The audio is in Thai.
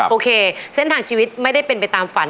โอเคเส้นทางชีวิตไม่ได้เป็นไปตามฝัน